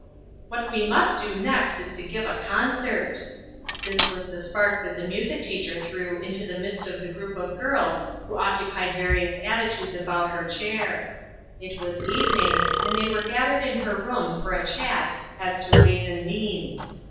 "What we must do next is to give a concert." This was the spark that the music teacher threw into the midst of the group of girls who occupied various attitudes about her chair. It was evening, and they were gath ered in her room for a chat as to ways and means.